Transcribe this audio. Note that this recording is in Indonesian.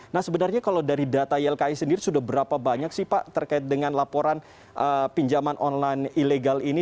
nah sebenarnya kalau dari data ylki sendiri sudah berapa banyak sih pak terkait dengan laporan pinjaman online ilegal ini